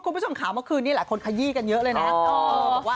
คุณผู้ชมข่าวเมื่อคืนนี้หลายคนขยี้กันเยอะเลยนะ